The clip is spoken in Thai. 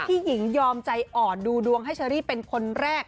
หญิงยอมใจอ่อนดูดวงให้เชอรี่เป็นคนแรก